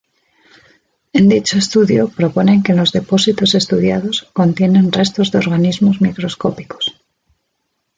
En dicho estudio proponen que los depósitos estudiados contienen restos de organismos microscópicos.